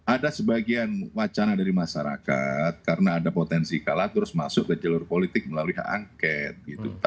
ada sebagian wacana dari masyarakat karena ada potensi kalah terus masuk ke jalur politik melalui hak angket